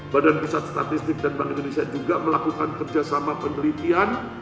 badan pusat statistik dan bank indonesia juga melakukan kerjasama penelitian